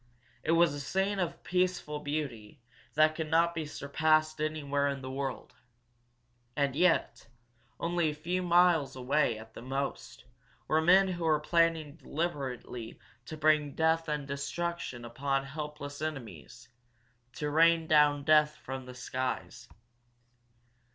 It was a scene of peaceful beauty that could not be surpassed anywhere in the world. And yet, only a few miles away, at the most, were men who were planning deliberately to bring death and destruction upon helpless enemies to rain down death from the skies.